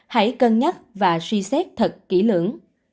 hãy cân nhắc và suy xét thật kỹ lưỡng